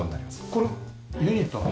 これユニットなの？